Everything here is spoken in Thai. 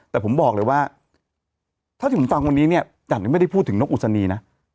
แต่ผมบอกเลยว่าถ้าที่ผมฟังวันนี้จันทร์ก็ไม่ได้พูดถึงนกอุศณีนะ